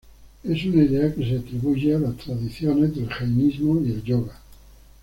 Es una idea que se atribuye a las tradiciones del jainismo y el yoga.